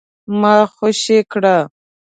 ما خوشي کړه ؟